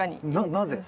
なぜ？